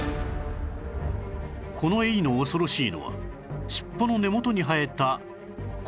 このエイの恐ろしいのは尻尾の根元に生えたこちらのトゲ